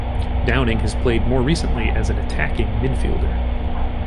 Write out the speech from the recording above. Downing has played more recently as an attacking midfielder.